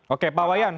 oke pak wayan